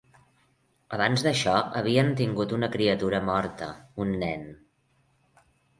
Abans d'això, havien tingut una criatura morta, un nen.